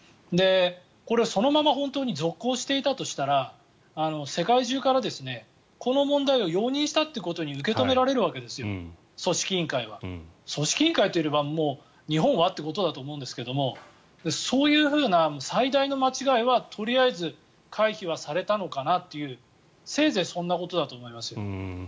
これはそのまま本当に続行していたとしたら世界中からこの問題を容認したというように受け止められるわけですよ組織委員会は。組織委員会というか日本はってことだと思うんですがそういうふうな最大の間違いはとりあえず回避はされたのかなというせいぜいそんなことだと思いますよ。